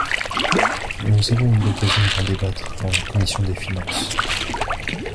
Nous avons eu l’occasion d’en débattre en commission des finances.